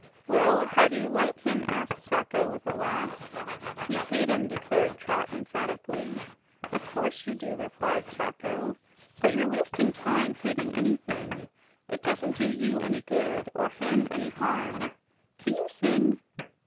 "Well, how do you like him?" asked Sacho with a laugh. "We hate him!" declared Trot emphatically. "Of course you do," replied Sacho. "But you're wasting time hating anything. It doesn't do you any good, or him any harm. Can you sing?"